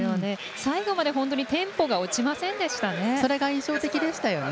最後まで本当にテンポが落ちませんでしたよね。